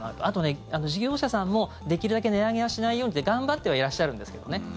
あと、事業者さんもできるだけ値上げはしないようにって頑張ってはいらっしゃるんですけどね